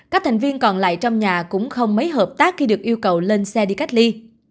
các thành viên còn lại trong nhà cũng không mấy hợp tác khi được yêu cầu lên xe đi cách ly